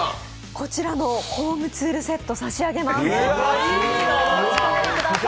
こちらのホームツールセットを差し上げます。